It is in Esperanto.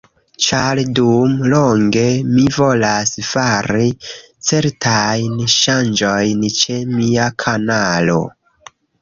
Ĉar dum longe mi volas fari certajn ŝanĝojn ĉe mia kanalo